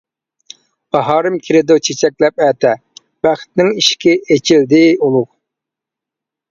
باھارىم كېلىدۇ چېچەكلەپ ئەتە، بەختنىڭ ئىشىكى ئېچىلدى ئۇلۇغ.